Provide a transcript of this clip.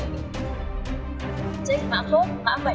trách mã mốt mã mạch của sản phẩm